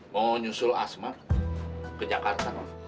mau nyusul asmar ke jakarta